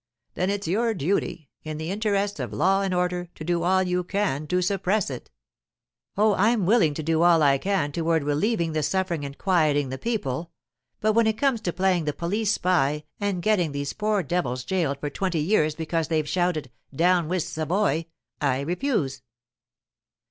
Then it's your duty, in the interests of law and order, to do all you can to suppress it.' 'Oh, I'm willing to do all I can toward relieving the suffering and quieting the people; but when it comes to playing the police spy and getting these poor devils jailed for twenty years because they've shouted, "Down with Savoy!" I refuse.